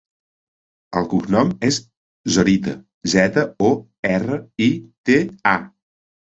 El cognom és Zorita: zeta, o, erra, i, te, a.